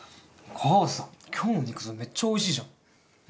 母さん、きょうの肉詰め、めっちゃおいしいじゃん。ね。